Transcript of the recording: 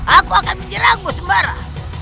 aku akan menyerangmu sembara